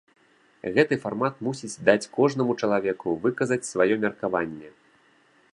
Гэты фармат мусіць даць кожнаму чалавеку выказаць сваё меркаванне.